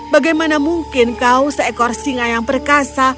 bagaimana mungkin kau seekor singa yang perkasa